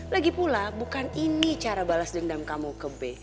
lagi pula bukan ini cara balas dendam kamu ke b